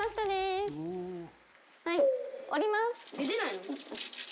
はい折ります。